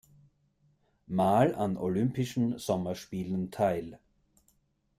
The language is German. Mal an Olympischen Sommerspielen teil.